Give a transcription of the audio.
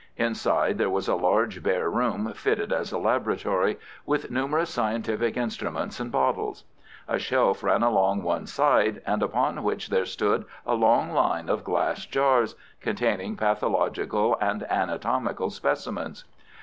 Inside there was a large bare room fitted as a laboratory, with numerous scientific instruments and bottles. A shelf ran along one side, upon which there stood a long line of glass jars containing pathological and anatomical specimens.